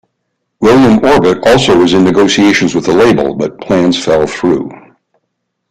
William Orbit also was in negotiations with the label, but plans fell through.